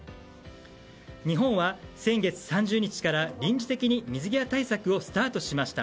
日本は先月３０日から臨時的に水際対策をスタートさせました。